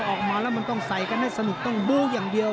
ออกมาแล้วมันต้องใส่กันให้สนุกต้องบู้อย่างเดียว